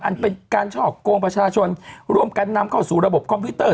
เป็นการช่อกงประชาชนร่วมกันนำเข้าสู่ระบบคอมพิวเตอร์